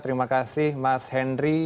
terima kasih mas henry